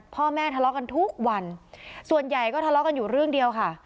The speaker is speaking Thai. พ่อแม่ทะเลาะกันทุกวันส่วนใหญ่ก็ทะเลาะกันอยู่เรื่องเดียวค่ะ